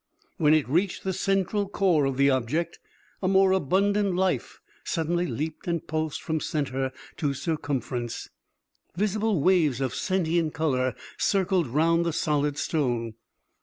When it reached the central core of the object, a more abundant life suddenly leaped and pulsed from center to circumference. Visible waves of sentient color circled round the solid stone.